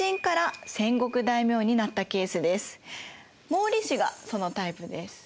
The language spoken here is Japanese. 毛利氏がそのタイプです。